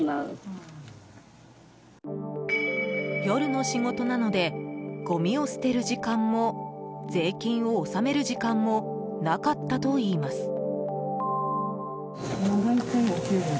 夜の仕事なのでごみを捨てる時間も税金を納める時間もなかったといいます。